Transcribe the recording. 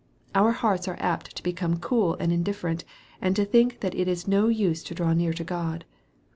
Our hearts are apt to become cool and indifferent, and to think that it is no use to draw near to God.